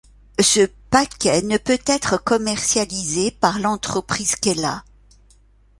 Ce paquet ne peut être commercialisé par l'entreprise Kela.